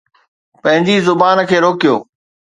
پنهنجي زبان کي روڪيو